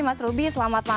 mas ruby selamat malam